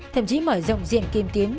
thậm chí mở rộng diện kim tím